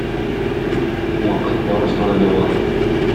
Вакыт барысына да дәва.